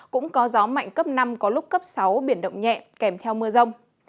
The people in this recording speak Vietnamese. cũng có gió mạnh cấp năm có lúc cấp sáu biển động nhẹ kèm theo mưa rông